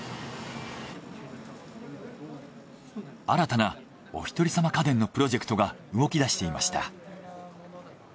新たなおひとりさま家電のプロジェクトが動き出していました。